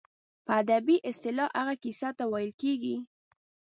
په ادبي اصطلاح هغې کیسې ته ویل کیږي.